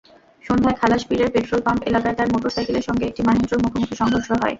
সন্ধ্যায় খালাসপীরের পেট্রলপাম্প এলাকায় তাঁর মোটরসাইকেলের সঙ্গে একটি মাহেন্দ্রর মুখোমুখি সংঘর্ষ হয়।